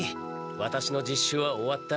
ワタシの実習は終わった。